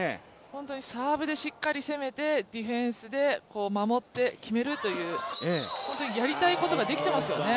本当にサーブでしっかり攻めてディフェンスて守って決めるという、本当にやりたいことができていますよね。